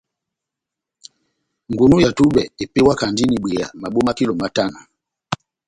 Ngunú ya tubɛ epewakandi n'ibwea mabo ma kilo matano.